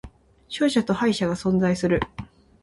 勝者と敗者が存在する